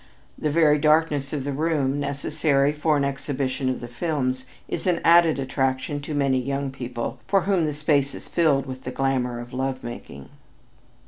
The very darkness of the room, necessary for an exhibition of the films, is an added attraction to many young people, for whom the space is filled with the glamour of love making.